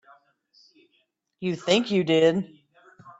You think you did.